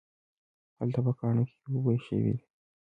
هلته په کاڼو کې اوبه شوي دي